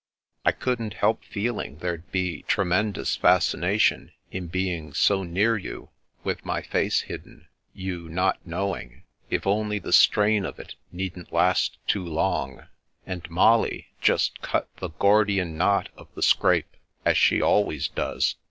I couldn't help feeling there'd be a tremendous fasci nation in being so near you, with my face hidden, you not knowing, if only the strain of it needn't last too long; and Molly just cut the Gordian knot of the scrape, as she always does.